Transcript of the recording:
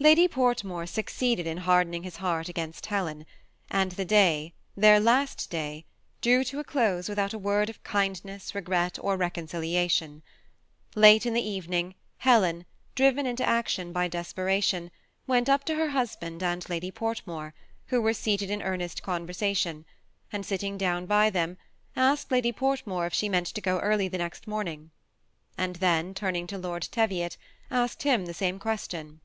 Lady Portmore succeeded ivj hardening his heart against Helen, and the day — their last day — drew to a close without a word of kindness, regret, or reconcilia 10* 226 THE SKBn ATTACHED COUPLE. tioii. Late in the eTening, Helen, driven into action by desperation, went np to her husband and Lad j Portmore, whe were seated in earnest oonversaticHi, and sitting down by them, asked Lad j Portmore if she meant to go early the next maming; and then taming to Lord Teviot, asked him the same question.